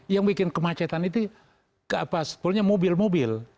yang bikin kemacetan itu ke apa sepertinya mobil mobil